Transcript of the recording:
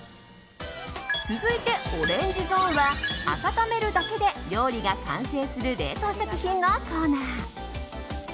続いて、オレンジゾーンは温めるだけで料理が完成する冷凍食品のコーナー。